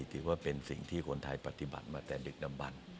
ถือว่าเป็นสิ่งที่คนไทยปฏิบัติมาแต่ดึกดำบัน